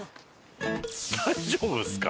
大丈夫ですか？